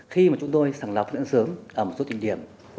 khi mà chúng tôi sàng lọc phận sớm ở một số định điểm